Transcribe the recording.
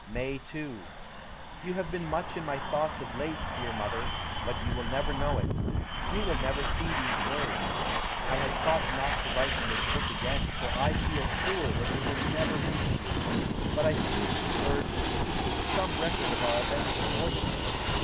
May 2. You have been much in my thoughts of late, dear mother, but you will never know it. You will never see these words. I had thought not to write in this book again, for I feel sure that it will never reach you; but I seem to be urged to keep some record of our eventful voyage.